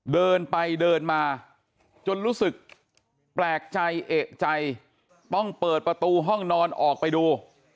เดินไปเดินมาจนรู้สึกแปลกใจเอกใจต้องเปิดประตูห้องนอนออกไปดู